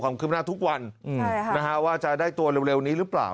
ความคืบหน้าทุกวันนะฮะว่าจะได้ตัวเร็วนี้หรือเปล่า